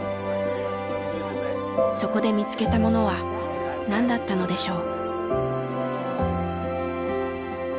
そこで見つけたものは何だったのでしょう？